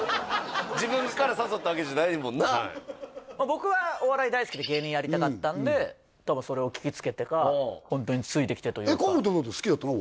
自分から誘ったわけじゃないもんな僕はお笑い大好きで芸人やりたかったんで多分それを聞きつけてかホントについてきてというか河本はどうだったの？